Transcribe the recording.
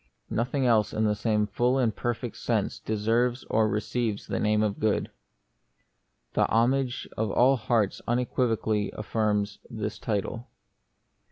Nothing else in the same full and perfect sense deserves or receives the name of good. The homage of all hearts unequivocally affirms this title.